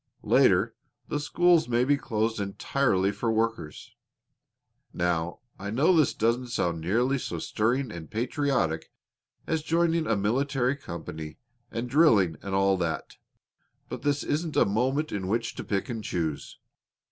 Later, the schools may be closed entirely for workers. Now, I know this doesn't sound nearly so stirring and patriotic as joining a military company and drilling and all that; but this isn't a moment in which to pick and choose.